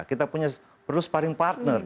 kita perlu sparing partner